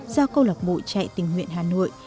do câu lọc bộ chạy tình nguyện hà nội